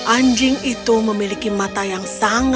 anjing itu memiliki mata yang sangat